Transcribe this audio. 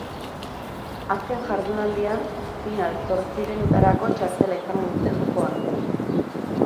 Azken jardunaldian final-zortzirenetarako txartela izango dute jokoan.